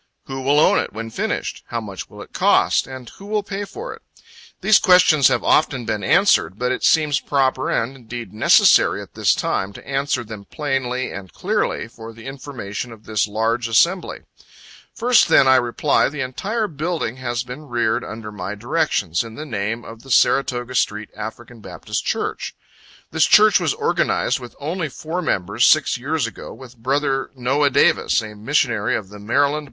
'Who will own it, when finished?' 'How much will it cost? and who will pay for it?'" These questions have often been answered, but it seems proper, and indeed necessary, at this time to answer them plainly and clearly, for the information of this large assembly. First, then, I reply: This entire building has been reared under my directions, in the name of the Saratoga street African Baptist Church. This Church was organized with only four members, six years ago, with brother Noah Davis, a missionary of the Md.